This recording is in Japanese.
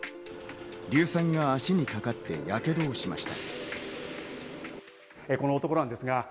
硫酸が足にかかってヤケドをしました。